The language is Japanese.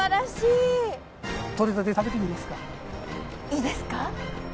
いいですか？